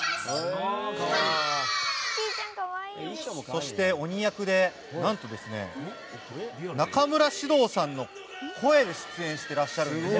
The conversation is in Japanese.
そして、鬼役で何と中村獅童さんが声で出演していらっしゃるんです。